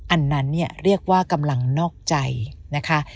อันนั้นเนี่ยเรียกว่ากำลังนอกใจนะคะ